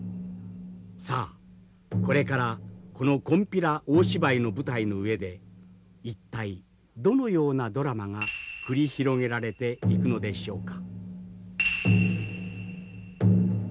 さあこれからこの金毘羅大芝居の舞台の上で一体どのようなドラマが繰り広げられていくのでしょうか。